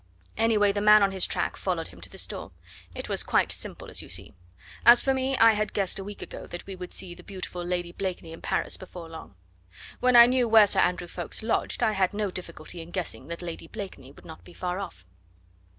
Anyway, the man on his track followed him to this door. It was quite simple, as you see. As for me, I had guessed a week ago that we would see the beautiful Lady Blakeney in Paris before long. When I knew where Sir Andrew Ffoulkes lodged, I had no difficulty in guessing that Lady Blakeney would not be far off."